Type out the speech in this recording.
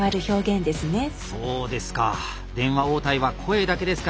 そうですか。